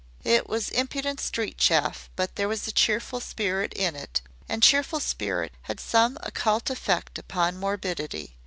It was impudent street chaff, but there was cheerful spirit in it, and cheerful spirit has some occult effect upon morbidity.